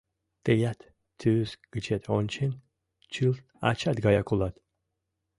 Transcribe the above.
Тыят, тӱс гычет ончен, чылт ачат гаяк улат.